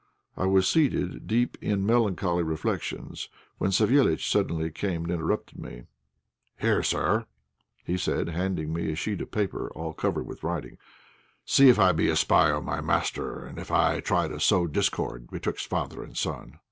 I was seated, deep in melancholy reflections, when Savéliitch suddenly came and interrupted me. "Here, sir," said he, handing me a sheet of paper all covered with writing, "see if I be a spy on my master, and if I try to sow discord betwixt father and son."